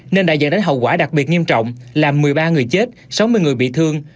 nên đã dẫn đến hậu quả đặc biệt nghiêm trọng làm một mươi ba người chết sáu mươi người bị thương